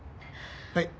はい。